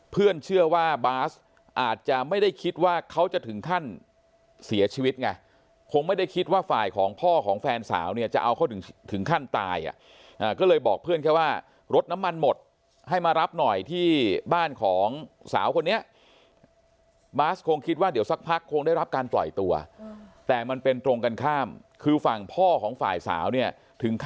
เชื่อว่าบาสอาจจะไม่ได้คิดว่าเขาจะถึงขั้นเสียชีวิตไงคงไม่ได้คิดว่าฝ่ายของพ่อของแฟนสาวเนี่ยจะเอาเขาถึงขั้นตายอ่ะก็เลยบอกเพื่อนแค่ว่ารถน้ำมันหมดให้มารับหน่อยที่บ้านของสาวคนนี้บาสคงคิดว่าเดี๋ยวสักพักคงได้รับการปล่อยตัวแต่มันเป็นตรงกันข้ามคือฝั่งพ่อของฝ่ายสาวเนี่ยถึงค